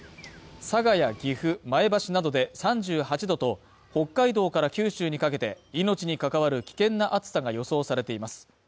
佐賀や岐阜、前橋などで３８度と北海道から九州にかけて命に関わる危険な暑さが予想されています